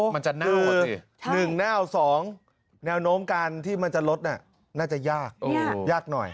มันจะน่าวออกสิใช่คือ๑น่าว๒แนวโน้มการที่มันจะลดน่ะน่าจะยากยากหน่อย